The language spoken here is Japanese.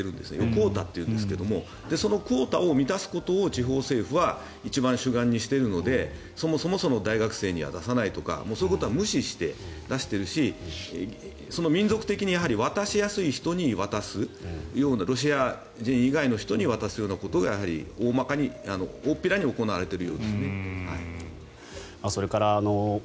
クオータっていうんですけどそのクオータを満たすことを政府は主眼にしているのでそもそも大学生には出さないとかそういうことは無視して出しているし民族的に渡しやすい人に渡すようなロシア人以外の人に渡すようなことがやはり大っぴらに行われているようですね。